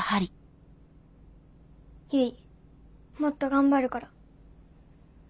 唯もっと頑張るから。